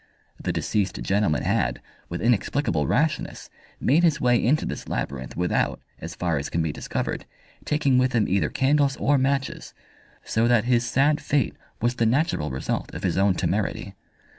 The deceased gentleman had, with inexplicable rashness, made his way into this labyrinth without, as far as can be discovered, taking with him either candles or matches, so that his sad fate was the natural result of his own temerity.